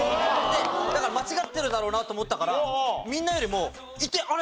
だから間違ってるだろうなと思ったからみんなよりも「あれ！？